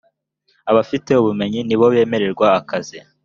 abafite ubumenyi nibo bemerwa akazi